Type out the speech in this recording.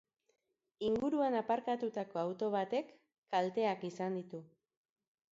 Inguruan aparkatutako auto batek kalteak izan ditu.